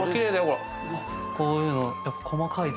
こういうの。